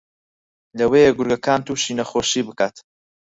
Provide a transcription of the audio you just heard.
لەوەیە گورگەکان تووشی نەخۆشی بکات